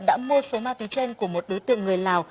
đã mua số ma túy trên của một đối tượng người lào